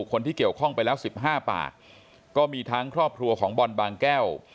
คนที่เกี่ยวข้องไปแล้ว๑๕ปากก็มีทั้งครอบครัวของบอลบางแก้ว